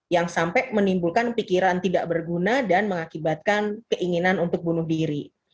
yang sampai menimbulkan pikiran tidak berguna dan mengakibatkan keinginan untuk bunuh diri